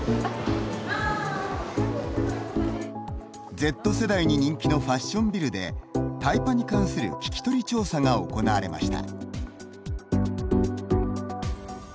Ｚ世代に人気のファッションビルでタイパに関する聞き取り調査が行われました。